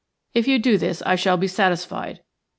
If you do this I shall be satisfied.